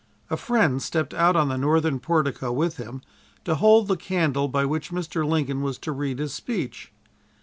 A friend stepped out on the northern portico with him to hold the candle by which Mr. Lincoln was to read his speech.